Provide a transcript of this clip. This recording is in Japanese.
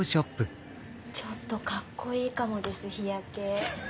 ちょっとかっこいいかもです日焼け。